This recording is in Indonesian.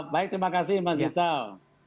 baik terima kasih mas ishaul